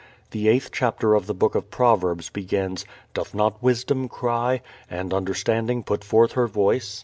The eighth chapter of the Book of Proverbs begins, "Doth not wisdom cry? and understanding put forth her voice?"